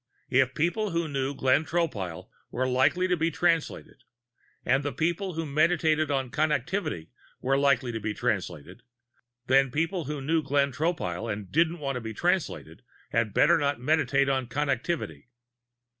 If people who knew Glenn Tropile were likely to be Translated, and people who Meditated on Connectivity were likely to be Translated, then people who knew Glenn Tropile and didn't want to be Translated had better not Meditate on Connectivity.